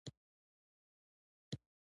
فرهنګ د ولس د ګډ ژوند اصول خوندي کوي.